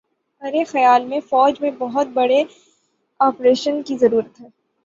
ارے خیال میں فوج میں بہت بڑے آپریشن کی ضرورت ہے